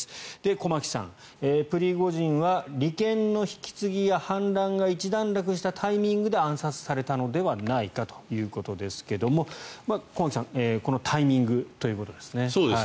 駒木さん、プリゴジンは利権の引き継ぎや反乱が一段落したタイミングで暗殺されたのではないかということですが駒木さん、このタイミングということですね。